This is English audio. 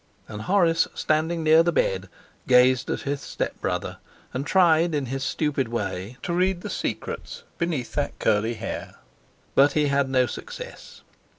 And Horace, standing near the bed, gazed at his stepbrother and tried in his stupid way to read the secrets beneath that curly hair. But he had no success.